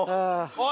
おい！